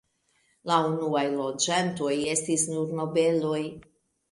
La unuaj loĝantoj estis nur nobeloj.